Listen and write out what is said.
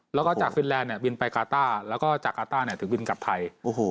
แล้วก็จากฟินแลนด์บินไปกาต้าแล้วก็จากกาต้าถึงบินกลับไทย